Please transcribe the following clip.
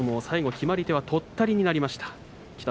最後、決まり手はとったりになりました。